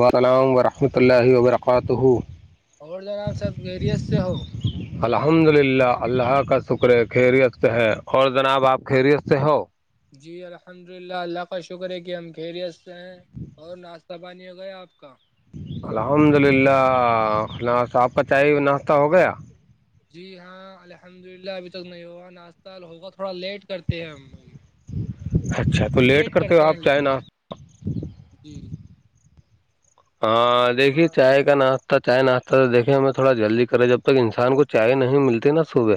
وسلام ورحمۃ اللہ وبرکاتہ اور جناب سحب اییریت سے ہو الحمد للہ اللہ کا شکر ہے خیریت سے ہے اور جناب آپ خیریت سے ہو جی الحمد للہ اللہ کا شکر ہے کہ ہم خیریت سے ہیں اور ناشتہ پانی ہو گیا آپ کا الحمد للہ صاحب کا چائے ناشتہ ہو گیا جی ہاں الحمد للہ ابھی تک نہیں ہوگا ناشتہ ہوگا تھوڑا لیٹ کرتے ہیں ہم اچھا تو لیٹ کرتے ہو آپ چاہیں نا جی ہاں دیکھیے تھوڑا چاہے ناتا چائے ناچتا تو دیکے ہمیں تھوڑا جلدی کرے جب تک انسان کو چائے نہیں ملتی نا صبح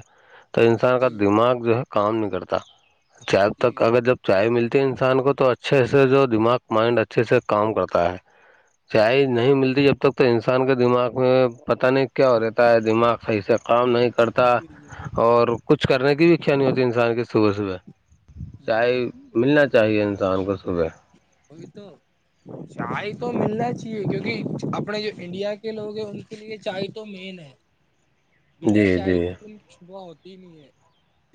تو انسان کا جی دماغ جو ہے کام نہیں کرتا جب تک جی اگر جب چائے ملتی ہے انسان کو تو اچھے سے جو دماغ مائنڈ اچھے سے کام کرتا ہے چاہ نہیں ملتی جب تک تو انسان کے دماغ میں پتہ نہیں کیا ہو رہتا ہے دماغ صحیح سے کام نہیں کرتا جی جی اور کچھ کرنے کی بھی ک نہیں ہوتی انسان کی صبح صبح جی چائے ملنا چاہیے انسان کو صبح ہوگی تو چائے تو ملنا چاہیے کیونکہ اپنے جو انڈیا کے لوگ ہیں ان کے لیے چائے تو مین ہے بنا جی چائے جی ک ان کی شبہ ہوتی نہیں ہے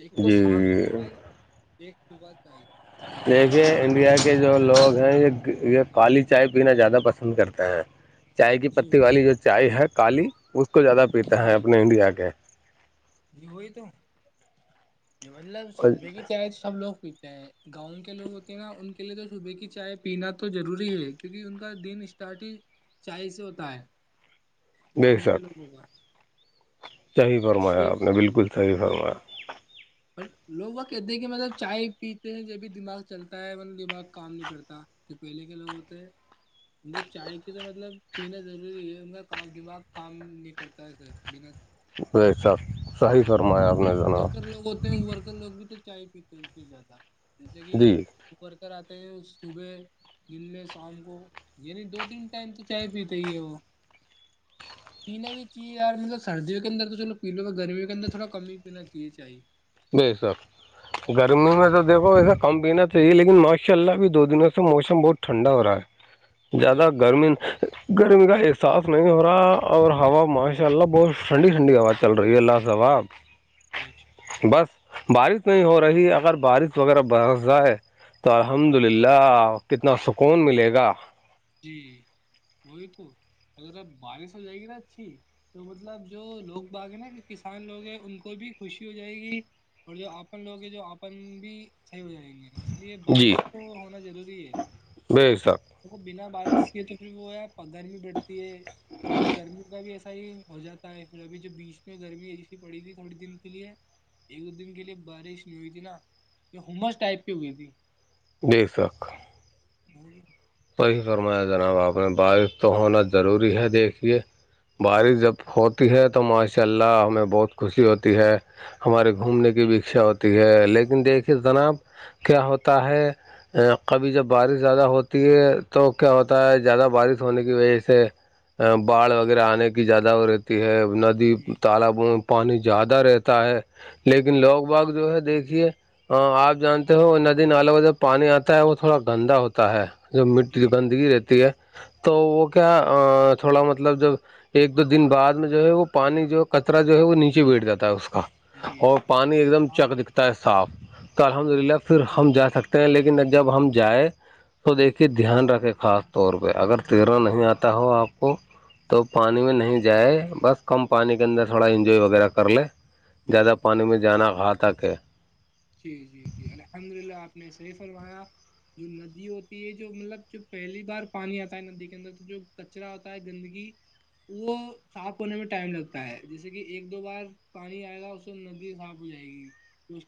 ایک تو جی شام تئی ایک صبح تئی دیکھیے انڈیا کے جو لوگ ہیں یہ یہ کالی چائے پینا زیادہ پسند کرتے ہیں چائے کی جی پتی والی جو چائے ہے کالی اس کو زیادہ پیتا ہیں جی اپنے انڈیا کے جی وہی تو یہ مطلب اور صبح کی چائے تو سب لوگ پیتے ہیں گاؤں کے لوگ ہوتے ہیں نا ان کے لیے تو صبح کی چائے پینا تو ضروری ہے کیونکہ ان کا دن اسٹارٹ ہی چی سے ہوتا ہے بے گاؤں کے شک لوگوں کا صحیح فرمایا چھ آپ نے بالکل صحیح فرمایا پر لوگ وہ کہتے ہیں کہ مطلب چائے پیتے ہیں جب بھی دماغ چلتا ہے ن دماغ کام نہیں کرتا جو پہلے کے لوگ ہوتے ہیں ان کو چائے کی تو مطلب پینا ضروری ہے ان کاف دماغ کام نہیں کرتا ہے اسے پینا ویسا صحی فرمایا نے جناب ورکر لوگ ہوتے ہیں ورکر لوگ بھی تو چائے پیتے ہیں زیادہ جیسے کہ جی اپر کر آتے ہیں صبح دن میں شام کو یعنی دو تین ٹائم تو چائے پیتے ہی ہیں وہ پینا بھی چاہیےیار مطلب سردیوں کے اندر تو چلو پی لو گرمیوں کے اندروڑا کم ہی پینا چاہیے چاہے ب سر گرمی میں تو دھو ایسا کم پینا چاہیے لیکن ماشاء اللہ ا بھی دو دنوں سے موسم بہت ٹھنڈا ہو رہا ہے جی زیادہ گرمی گرمی کا احساس نہیں ہو رہا اور ہوا ماشاء اللہ بہت ٹھنڈی ٹھنڈی ہوا چل رہی ہے اللہ صاحاب جیچ بس بارش نہیں ہو رہی اگر بارش وغیرہ برس جائے تو الحمد للہ کتنا سکون ملے گا جی وہے تو اذر باہے سب جائگے جاچھی تو مطلب جو لوگ باغ ہیں نا کسان لوگ ہیں ان کو بھی خوشی ہو جائے گی اور جو اپپن لوگ ہیں جو اپن بھی صحیح ہو جائیں گے اس لیے جی بارش تو ہونا ضروری ہے بے شک د بنا بارش کے تو پھر وہ ہے گرمی بڑھتی ہے اور ابھی گرمی کا بھی ایسا ہی ہو جاتا ہے پھر ابھی جو بیچ میں گرمی ایسی پڑی تھی تھوڑی دن کے لیے ایک دو دن کے لیے بارش نہیں ہوئی تھی نا یہ ہوس ٹائپ کی ہوئی تھی دے سک ہوں وہی فرمایا جناب آپ نے بارش تو ہونا ضروری ہے دیکھیے بارش جب ہوتی ہے تو ماشاء اللہ ہمیں بہت خوشی ہوتی ہے ہمارے گھومنے کی بھی اچھا ہوتی ہے لیکن دیکھیے جناب کیا ہوتا ہے کبھی جب بارش زیادہ ہو تو کیا ہوتا ہے زیادہ بارش ہونے کی وجہ سے باڑھ وغیرہ آنے کی زیادہ رہتی ہے ندی جی تالاب پانی زیادہ رہتا ہے لیکن لوگ باغ جو ہے دیکھیے آپ جانتے ہو ندی نالے کا جب پانی آتا ہے وہ تھوڑا گندا ہوتا ہے جو مٹی جی گندگی رہتی ہے تو وہ کیا تھوڑا مطلب جب ایک دو دن بع میں جو ہے وہ پانی جو ہے کچرا جو ہے وہ نیچے بیٹھ جاتا ہے اس کا جی اور جی پانی جی ایک دم ہاں چک دکھتا ہے صاف تو الحمد للہ پھر جی ہم جا سکتے ہیں لیکن جب ہم جائ اس کو دیکھیے دھیان رکھے خاص طور پہ اگر تیرنا نہیں آتا ہو آپ کو تو پانی جی میں نہیں جائے بس کم پانی کے اندر تھوڑا انجوائے وغیرہ کر لے بے زیادہ شک پانی میں جانا گھا تک ہے جی جی جی الحمد للہ آپ نے صحیح فرمایا جو ندی ہوتی ہے جو مطلب جو پہلی بار پانی آتا ہے ندی کے اندر تو جو کچرا ہوتا ہے گندگی وہ صاف ہونے میں ٹائم لگتا ہے جیسے کہ ایک دو بار پانی آئے گا تو ندی صاف ہو جائے گی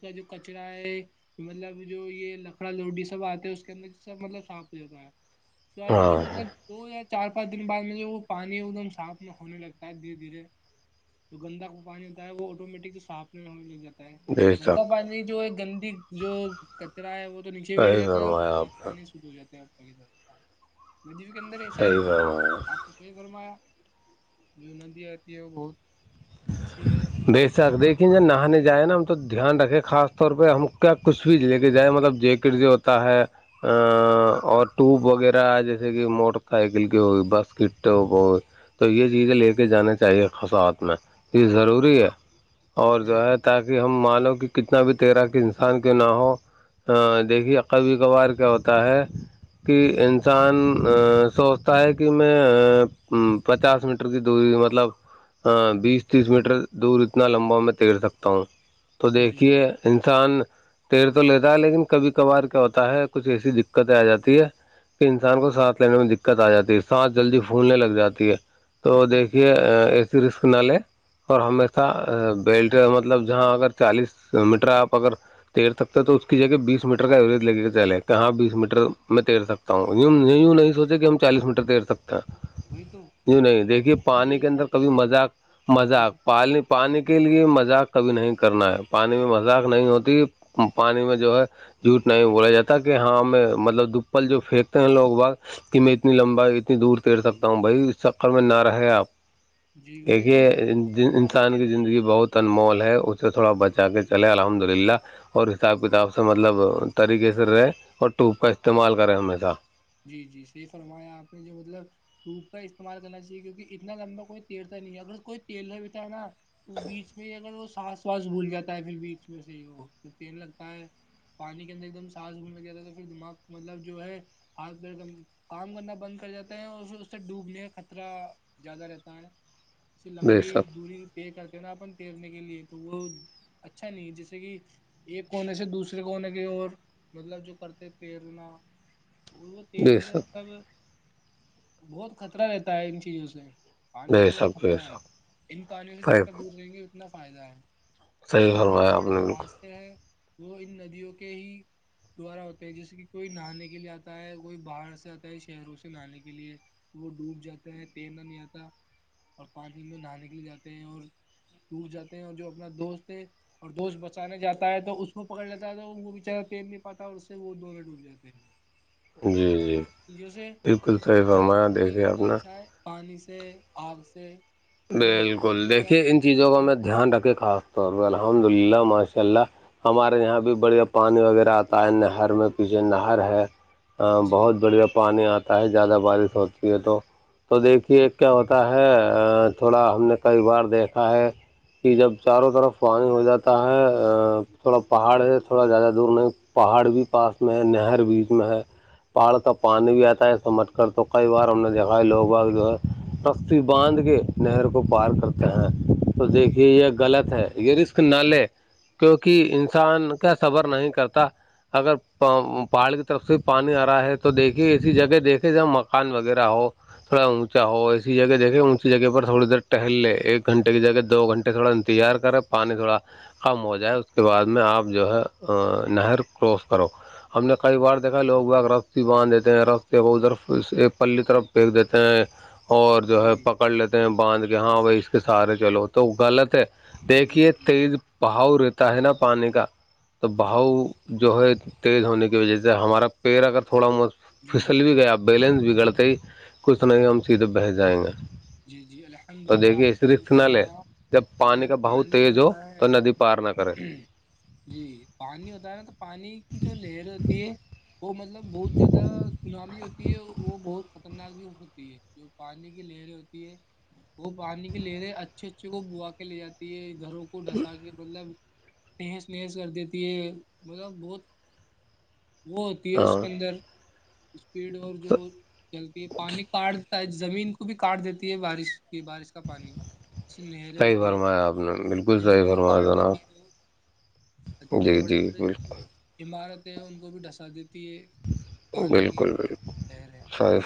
ا کا جو کچرا ہے کہ مطلب جو یہ لکڑا لوڈی سب آتے ہے اس کے اندر سب مطلب صاف ہو جتا ہے س میں ہاں جو مطلب دو یا چار پانچ دن بعد میں جو وہ پانی ایک دم صاف نہ ہونے لگتا ہے دھیرے دھیرے تو گندا کو پانی ہوتا ہے وہ آٹومیٹک سے صاف نہیں ہونے لگ جاتا ہے بے گندا شک پانی جو ہے گندی جو کچرا ہے وہ تو نیچے بیٹھ صحیح جاتا ہے اور فرمایا صاف آپ نے پانی جات ہیں ندی کے اندر ایسا ہی صحیح ہوتا ہے فرمایا آپ تو ہی فرمایا جو ندی آتی ہے وہ بہت اچھی ہے بے شک دیکیں جب جو نہانے جائے نا تو دھیان رکھے خاص طور پہ ہم کیا کچھ بھی لے کے جائیں مطلب جیکٹ جو ہوتا ہے اور ٹوب وغیرہ جیسے کہ موٹر سائیکل کی ہوئی باسکٹ ٹوپ ہوئی تو یہ چیزیں لے کے جانا چاہیے خساات میں یہ ضروری ہے اور جی جو ہے تاکہ ہم مانو کہ کتنا بھی تیرا کہ انسان کیوں نہ ہو ہاں دیکھیے کبھی کبھار کیا ہوتا ہے کہ انسان سوچتا ہے کہ میں پچاس میٹر کی دوری مطلب بیس تیس میٹر دور اتنا لمبا میں تیر سکتا ہوں تو جی دیکھیے انسان تیر تو لیتا ہے لیکن کبھی کبھار کیا ہوتا ہے کچھ ایسی دقتیں آ جاتی ہے کہ انسان کو ساتھ لینے میں دقت آ جاتی ہے سانس جلدی پھولنے لگ جاتی ہے تو جی دیکھیے ایک رسک نہ لے اور ہمیشہ بیلٹ مطلب جہاں اگر چالیس میٹر آپ اگر تیر تک تو اس کی جگہ بیس میٹر کا ایوریج لگے گا چلے کہ ہاں بیس میٹر میں تیر سکتا ہوںی یوں نہیں سوچے کہ ہم چالیس میٹر تیر سکتے وہی تو نہیںی نہیں دیکھیے الحمد پانی کے للہ اندر آپ نے کبھی صحیح مذاق مذاق فرمایا۔ پالانی پانی کے لیے مذاق کبھی نہیں کرنا ہے پانی میں مذاق نہیں ہوتی پانی میں جو ہے جھوٹ نہیں بولا جاتا کہ ہاں ہم مطلب دپل جو پھینکتے ہیں لوگ بگ کہ میں اتنی لمبا اتنی دور تیر سکتا ہوں بھائی اس شقر میں نہ رہے آپ جی وہی کہ تو اتنا لمبا نہیں انسان کی کہہ سکتے زندگی بہت مال ہے اسے تھوڑا بچا کے چلے الحمد للہ اور اس حساب کتاب سے مطلب طریقے سے رہیں اور ٹوپ کا استعمال کریں ہمیشہ جی جی صحیح فرمایا آپ نے جو مطلب دھوپ کا استعمال کرنا چاہیے کیونکہ اتنا لمبا کوئی تیلتا نہیں ہے اگر کوئی تیل ہو بھیتا ہے نا اس بیچ میں ہی اگر وہ سانس واس بھول جاتا ہے پھر بیچ میں سے وہ تو تل لگتا ہے پانی کے اندر ایک دم سانس گننے جاتا ہے تو پھر دماغ مطلب جو ہے ہاتھ پیرم کام کرنا بند کر جاتا ہے اور پھر اس سے ڈوبنے خطرہ زیادہ رہتا ہے اس سے بے لمبی شک دوری پے کرتے ہیں نا اپن تیرنے کے لیے تو وہ اچھا نہیں ہے جیسے کہ ایک کونے سے دوسرے کونے کی اور مطلب جو کرتے تیرنا وہ بے تیرنے سے شک مطلب بہت خطرہ رہتا ہے ان چیزوں سے پانیوں بے سے تو شک بے خطرہ ہے شک ان پانیوں سے جتنا صحیح دور رہیں گے اتنا فائدہ ہے صحیح کی بڑے فرمایا آپ بڑے نے تھے آج بالکل ہے وہ ان ندیوں کے ہی دوارا ہوتے ہیں جیسے کہ کوئی نہانے کے لیے آتا آتا ہے کوئی باہر سے آتا ہے شہروں سے نہانے کے لیے تو وہ ڈوب جاتا ہے تیر نہ نہیں آتا اور پانی میں نہانے کےلے جاتے ہیں اور ٹور جاتے ہیں اور جو اپنا دوست ہے اور دوش بچانے جاتا ہے تو اس کو پکڑ لیتا ہے تو وہ بچارہ تیل نہیں پاتا ہے اس سے وہ دگے ڈوب جاتے ہیں جی جی ج سے بالکل صحیح زیادہ فرمایا ت دیکھیے آپ اتنا نے اچھا ہے پانی سے آگ سے تین تین بالکل دو یا دیکھیے ان چیزوں کا تین میں دھیان رکھے خاص طور پہ الحمد ہوئی تھی. للہ ماشاء اللہ ہمارے یہاں بھی بڑھیا پانی وغیرہ آتا ہے نہر میں پیچھے نہر ہے ہاں جی بہت بڑھیا پانی آتا ہوتا ہے زیادہ بارش ہوتی ہے تو تو دیکھیے کیا ہوتا ہے تھوڑا ہم نے کئی بار دیکھا ہے کہ جب چاروں طرف پانی ہو جاتا ہے تھوڑا پہاڑ ہے تھوڑا زیادہ دور نہیں پہاڑ بھی پاس میں ہے نہر بیچ میں ہے پہاڑ تو پانی بھی آتا ہے سمٹ کر تو کئی بار ہم نے دیکھا ہے لوگ باگ جو ہے رختی باندھ کے نہر کو پار کرتے ہیں تو جی دیکھیے یہ غلط ہے یہ ر نہ لے کیونکہ انسان کا صبر نہیں کرتا اگر پہاڑ کی طرف سے پانی آ رہا ہے تو دیکھیے ایسی جگہ دیکھے جہ مکان وغیرہ ہو تھوڑا اونچا ہو اسسی جگہ دیکیں اونچی جگہ پر تھوڑی دیر ٹہل لے ایک گھنٹے کی جگہ دو گھنٹے تھوڑا انتظار کرے پانی تھوڑا کم ہو جائے اس کے بعد میں آپ جو ہے نہر کروس کرو ہم نے کئی بار دیکھا ہے لوگ بگ رستی باندھ دیتے ہیں رستے ب ادھرف ایک پلی طرف پک دیتے ہیں اور جو ہے جی پکڑ لیتے ہیں باندھ کے ہاں بش بھائی اس کے سارے چلو تو غلط ہے جی دیکھیے جی تیز جی بہاؤ رہتا ہے نا پانی کا تو وہی بہاؤ جو ہے تیز ہونے کی وجہ سے ہمارا پیڑ اگر تھوڑا مہت جی پھسل بھی گیا اب بیلنس بگڑتے ہی کچھ ط نہ کہ ہم سیدھے بہس جائیں گے جی جی الحمد تو للہ آپ دیکھیے اس کے رسک نہ لے فرمایا جب پانی کا مطلب بہاؤ پانی تیز ہو ہوتا تو ہے ندی پار نہ کرے جی پانی ہوتا ہے نا تو پانی کی جو لہر ہوتی ہے وہ مطلب بہت زیادہ سناامی ہوتی ہے وہ بہت خطرناک بھی ہو سکتی ہے جو پانی کی لہریں ہوتی ہے وہ پانی کی لہریں اچھے اچھے کو بو کے لے جاتی گھروں کو ڈھسا کے مطلب نہیز نہہیز کر دیتی ہے مطلب بہت وہ ہوتی ہے اس ہاں کے اندر اسپیڈ اور جو چلتی ہے پانی کاٹ زمین کو بھی کاٹ دیتی ہے بارش کی بارش پانی ج سے نہریں صحیح ہوتی ہے فرمایا آپ نے بالکل صحیح جمینوں کو فرمایا کاٹ جناب دیتی ہے وہ جو جی بڑے جی بڑے جو بالکل عمارت ہے ان کو بھی ڈھسا دیتی ہے پانی کی بالکل بالکل لہر ہے صحیح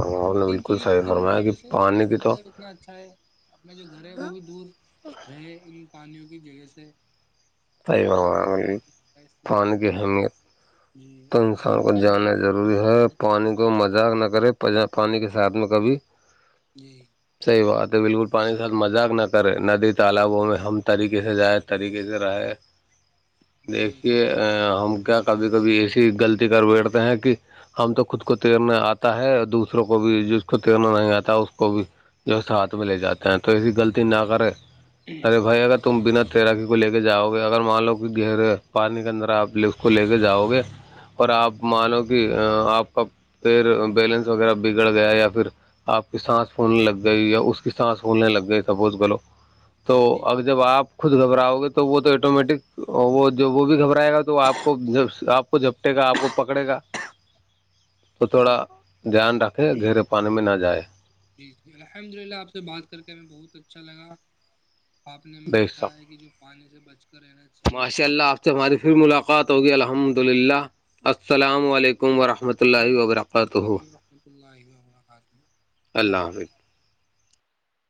تو ان نے بالکل صحیح فرمایا کہ پانی کی تو کتنا اچھا ہے اپنا جو گھر ہے وہ بھی دور رہے ان پانیوں کی جگہ سے صحیح آ بہت فرمایا فائدہتا اس میں پانی کی اہمیت تو انسان گاؤں کو کے اندر جانا بھی ڈر ضروری ہے لگا رہتا ہے پانی کو بارش کا مذاق نہ کرے پ پانی کے ساتھ میں کبھی جی صحیح بات ہے بالکل پانی کے ساتھ مذاق نہ کرے ندی تالابوں میں ہم طریقے سے جائیں طریقے سے رہے جی دیکھیے ہم کیا کبھی کبھی ایسی غلطی کر بیٹھتے ہیں کہ ہم تو خود کو تیرنا آتا ہے دوسروں کو بھی جس کو تیرنا نہیں آتا اس کو بھی جو ساتھ میں لے جاتے ہیں تو ایسی غلط نہ کریں ارے بھائی اگر تم بنا تیراکی کو ل کے جاؤ گے کوئی اگر مان لو کہ گہرے پانی کے اندر آپ ل اس کو لے کے جاؤ گے اور آپ مانو کہ آپ کا پھر بیلنس وغیرہ بگڑ گیا یا پھر آپ کی سانس پھولنے لگ گئی یا اس کی سانس پھولنے لگ گئی سپوز بلو تو جی اگر جب آپ خود گھبراؤ گے تو وہ تو ایٹومیٹک اور وہ جو وہ بھی گھبرائے گا تو آپ کو آپ کو جھپٹے گا آپ کو پکڑے گا تو تھوڑا جی دھیان رکھے جی گھیرے پانی میں نہ جائے جی جی الحمد للہ آپ سے بات کر کے ہمیں بہت اچھا لگا آپ نے ہمیں بے بتایا ہے شک کہ جو پانی سے بچ کر رہنا چاہیے ہمہاری پھر ملاقات ہوگی الحمد للہ السلام علیکم ورحمۃہ رحمۃہ اللہ وعلیکم وبرکاتہ السلام ورحمۃ اللہ وبرکاتہ اللہ حافظ